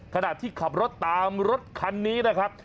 ขณะที่ขับรถตามรถคันนี้นะครับ